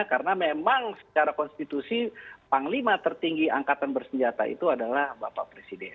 karena memang secara konstitusi panglima tertinggi angkatan bersenjata itu adalah bapak presiden